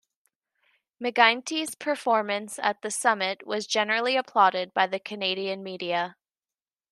McGuinty's performance at the summit was generally applauded by the Canadian media.